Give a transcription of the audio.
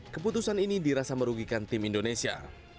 keputusan ini dirasa merugikan tim indonesia